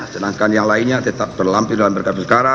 sedangkan yang lainnya tetap berlampir dalam perkara perkara